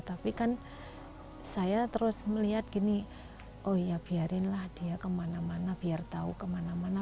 tapi kan saya terus melihat gini oh ya biarinlah dia kemana mana biar tahu kemana mana